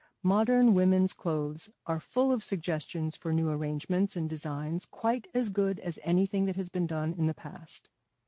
Modern women's clothes are full of suggestions for new arrangements and designs quite as good as anything that has been done in the past.